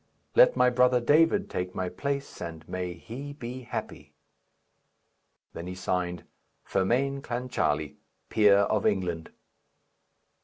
Let my brother David take my place, and may he be happy!" Then he signed, "Fermain Clancharlie, peer of England."